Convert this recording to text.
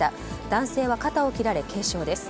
男性は肩を切られ、軽傷です。